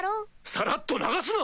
さらっと流すな！